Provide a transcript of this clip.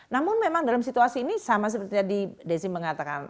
namun memang dalam situasi ini sama seperti tadi desi mengatakan